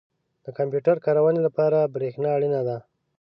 • د کمپیوټر کارونې لپاره برېښنا اړینه ده.